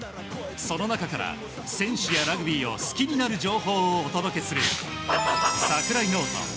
その中から選手やラグビーを好きになる情報をお届けする櫻井ノート。